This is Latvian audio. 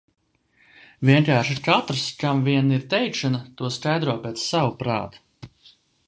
Vienkārši katrs, kam vien ir teikšana, to skaidro pēc sava prāta.